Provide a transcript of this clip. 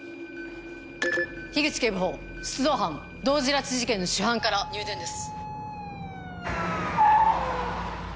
口警部補出動班同時拉致事件の主犯から入電です。